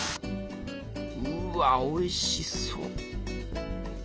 うわおいしそう。